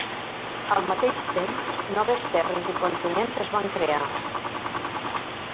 Al mateix temps, noves terres i continents es van crear.